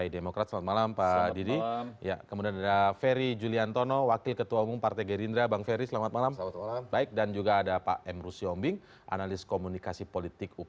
dan juga ada pak emrus sionbing analis komunikasi politik uph